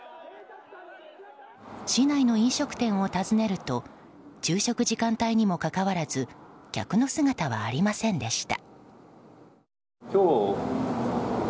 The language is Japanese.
市内の飲食店を訪ねると昼食時間帯にもかかわらず客の姿はありませんでした。